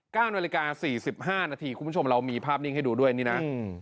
ก้านวันรายการสี่สิบห้านาทีคุณผู้ชมเรามีภาพนิ่งให้ดูด้วยอันนี้น่ะ